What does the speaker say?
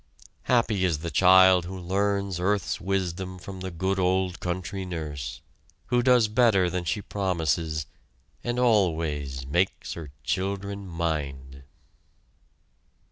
Happy is the child who learns earth's wisdom from the good old country nurse, who does better than she promises, and always "makes her children mind"!